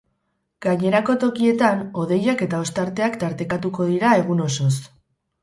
Gainerako tokietan, hodeiak eta ostarteak tartekatuko dira egun osoz.